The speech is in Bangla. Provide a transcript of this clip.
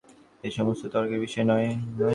এ-সমস্ত তর্কের বিষয়ই নয়।